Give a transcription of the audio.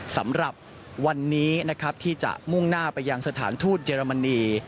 สำหรับวันนี้นะครับที่จะมุ่งหน้าไปยังสถานทูตเยอรมนี